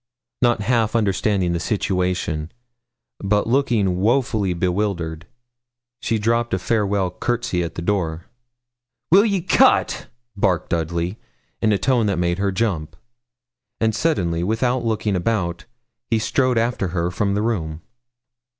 Not half understanding the situation, but looking woefully bewildered, she dropped a farewell courtesy at the door. 'Will ye cut?' barked Dudley, in a tone that made her jump; and suddenly, without looking about, he strode after her from the room.